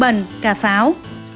dùng bẩn cà pháo